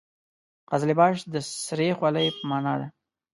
قزلباش د سرې خولۍ په معنا ده.